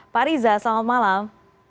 pak riza selamat malam